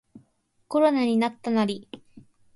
コロナになったナリ